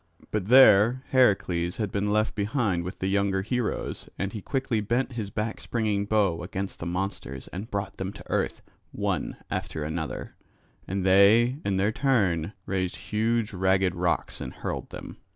But there Heracles had been left behind with the younger heroes and he quickly bent his back springing bow against the monsters and brought them to earth one after another; and they in their turn raised huge ragged rocks and hurled them.